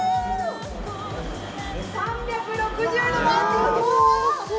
３６０度、回っています。